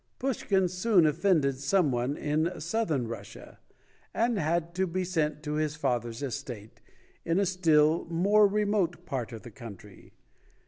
Pushkin soon offended some one in Southern Russia, and had to be sent to his father's estate, in a still more remote part of the country.